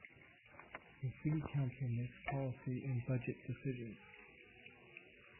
The City Council makes policy and budget decisions.